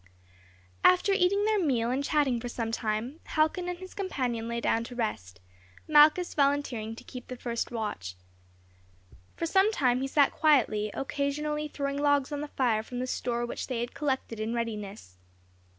] After eating their meal and chatting for some time, Halcon and his companion lay down to rest, Malchus volunteering to keep the first watch. For some time he sat quietly, occasionally throwing logs on the fire from the store which they had collected in readiness.